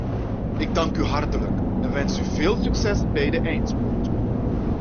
Ik dank u hartelijk, en wens u veel succes bij de eindspurt.